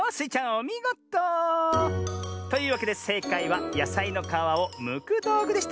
おみごと！というわけでせいかいはやさいのかわをむくどうぐでした。